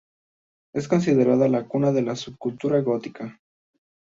Es considerada la cuna de la subcultura gótica.